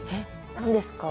何ですか？